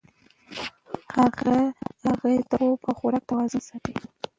هغې د خوب او خوراک توازن ساتي.